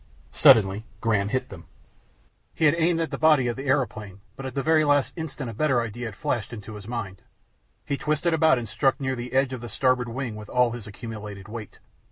Suddenly Graham hit them. He had aimed at the body of the aeroplane, but at the very last instant a better idea had flashed into his mind. He twisted about and struck near the edge of the starboard wing with all his accumulated weight.